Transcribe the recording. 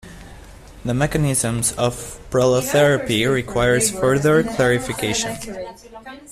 The mechanism of prolotherapy requires further clarification.